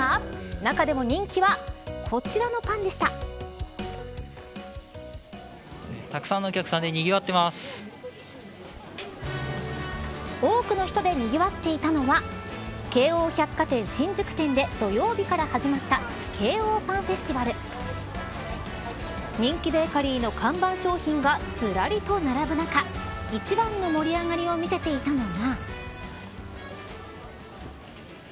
中でも人気はたくさんのお客さんで多くの人でにぎわっていたのは京王百貨店新宿店で土曜日から始まったＫｅｉｏパンフェスティバル人気ベーカリーの看板商品がずらりと並ぶ中一番の盛り上がりを見せていたのが。